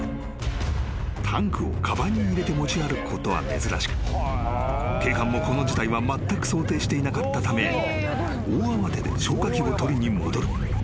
［タンクをかばんに入れて持ち歩くことは珍しく警官もこの事態はまったく想定していなかったため大慌てで消火器を取りに戻る］